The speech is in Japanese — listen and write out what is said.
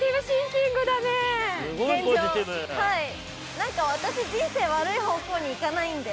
なんか私人生悪い方向にいかないんで。